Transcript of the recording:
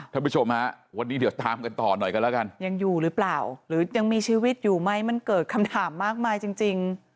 ท่านผู้ชมฮะวันนี้เดี๋ยวตามกันต่อหน่อยกันแล้วกันยังอยู่หรือเปล่าหรือยังมีชีวิตอยู่ไหมมันเกิดคำถามมากมายจริงจริง